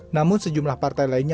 namun sejumlah partai lainnya